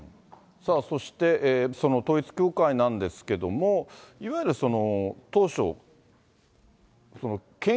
さあ、そしてその統一教会なんですけども、いわゆる当初、献